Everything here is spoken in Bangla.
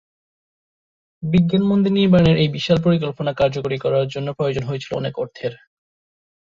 বিজ্ঞান মন্দির নির্মাণের এই বিশাল পরিকল্পনা কার্যকরী করার জন্য প্রয়োজন হয়েছিল অনেক অর্থের।